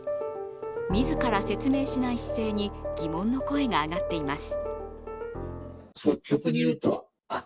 自ら説明しない姿勢に疑問の声が上がっています。